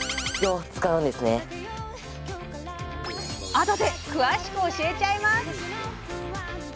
あとで詳しく教えちゃいます！